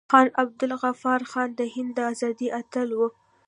خان عبدالغفار خان د هند د ازادۍ اتل و.